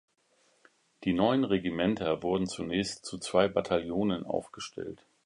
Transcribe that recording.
Die neuen Regimenter wurden zunächst zu zwei Bataillonen aufgestellt.